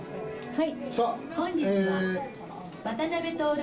「はい。